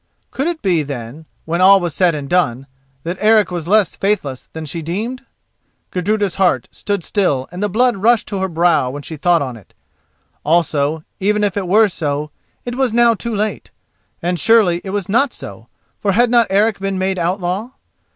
Could it be, then, when all was said and done, that Eric was less faithless than she deemed? Gudruda's heart stood still and the blood rushed to her brow when she thought on it. Also, even if it were so, it was now too late. And surely it was not so, for had not Eric been made outlaw?